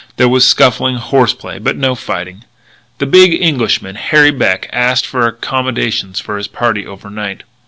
There was scuffling, horse play, but no fighting. The big Englishman, Harry Beck, asked for accommodations for his party over night.